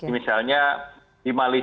misalnya di malaysia